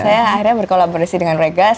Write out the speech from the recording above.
saya akhirnya berkolaborasi dengan regas